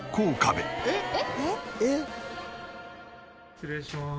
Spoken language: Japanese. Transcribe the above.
失礼します。